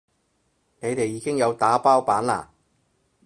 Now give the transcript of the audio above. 你哋已經有打包版啦